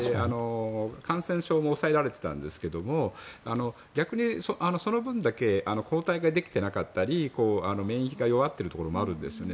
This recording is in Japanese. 感染症も抑えられていたんですけど逆にその分だけ抗体ができていなかったり免疫が弱っているところもあるんですよね。